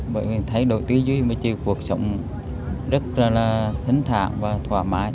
bởi vì thay đổi tí duy mà chứ cuộc sống rất là là thính thản và thoải mái